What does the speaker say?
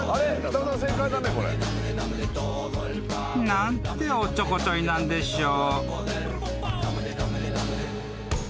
［何ておっちょこちょいなんでしょう］